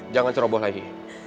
jangan ceroboh lagi